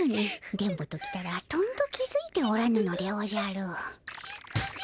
電ボときたらとんと気づいておらぬのでおじゃる。